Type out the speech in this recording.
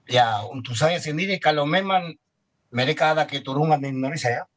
ya untuk saya sendiri kalau memang amerika ada keturunan di indonesia ya